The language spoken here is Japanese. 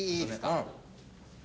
うん。